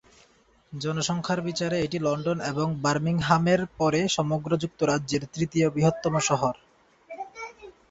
জনসংখ্যার বিচারে এটি লন্ডন এবং বার্মিংহামের পরে সমগ্র যুক্তরাজ্যের তৃতীয় বৃহত্তম শহর।